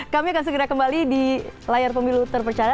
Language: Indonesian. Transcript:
kami akan segera kembali di layar pemilu terpercaya